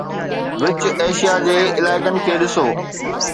وچ Asia جي علائقن کي ڏسو